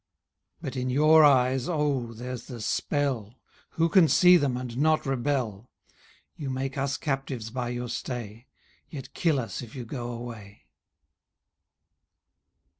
IV. But in your eyes, O! there's the spell! Who can see them, and not rebel? You make us captives by your stay; Yet kill us if you go away.